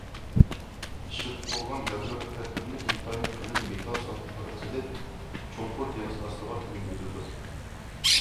ئىشلىتىپ بولغان يادرو ئەخلەتلىرىنى ئىنتايىن قېلىن مېتال ساندۇقلارغا سېلىپ چوڭقۇر دېڭىز ئاستىغا كۆمۈۋېتىدۇ.